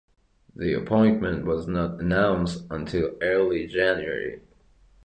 The appointment was not announced until early January.